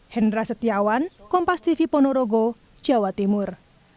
hendra setiawan kompas tv ponorogo jawa timur